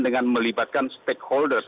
dengan melibatkan stakeholders